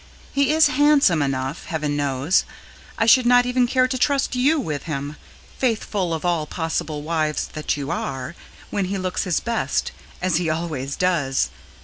He is handsome enough, heaven knows; I should not even care to trust you with him faithful of all possible wives that you are when he looks his best, as he always does.